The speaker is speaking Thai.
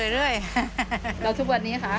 แล้วทุกวันนี้ค่ะ